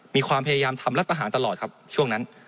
มีความพยายามทำรัฐประหารตลอดครับช่วงนั้น